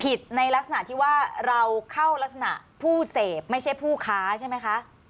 ในลักษณะที่ว่าเราเข้ารักษณะผู้เสพไม่ใช่ผู้ค้าใช่ไหมคะ